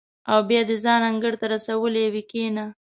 او بیا دې ځان انګړ ته رسولی وي کېنه.